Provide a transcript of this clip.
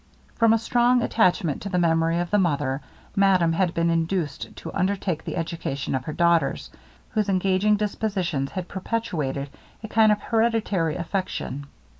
From a strong attachment to the memory of the mother, madame had been induced to undertake the education of her daughters, whose engaging dispositions had perpetuated a kind of hereditary affection.